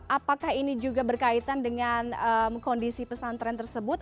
apakah ini juga berkaitan dengan kondisi pesantren tersebut